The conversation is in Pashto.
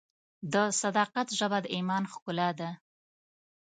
د صداقت ژبه د ایمان ښکلا ده.